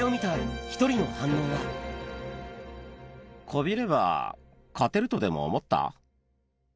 こびれば勝てるとでも思った？